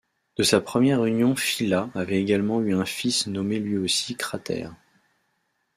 De sa première union Phila avait également eut un fils nommé lui aussi Cratère.